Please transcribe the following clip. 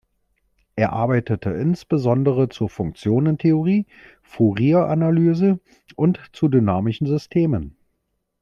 Er arbeitete insbesondere zur Funktionentheorie, Fourieranalyse und zu dynamischen Systemen.